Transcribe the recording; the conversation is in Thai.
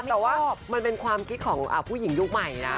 แต่ว่ามันเป็นความคิดของผู้หญิงยุคใหม่นะ